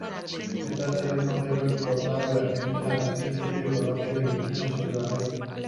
Se trata de un modelo exportado a Argentina, Brasil, Chile, Colombia, Filipinas y Sudáfrica.